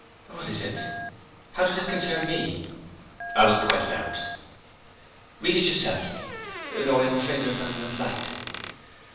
'What is it? How does it concern me?' 'I will point it out.' 'Read it yourself to me. Though I am afraid there's not enough light.'